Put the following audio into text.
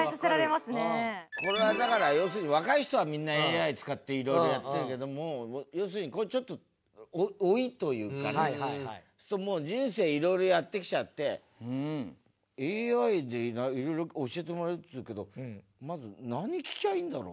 これはだから要するに若い人はみんなＡＩ使っていろいろやってるけども要するにこういうちょっと老いというかね人生いろいろやってきちゃってＡＩでいろいろ教えてもらえるっていうけどまず何聞けばいいんだろう？